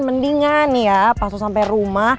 mendingan ya pas sampai rumah nih ya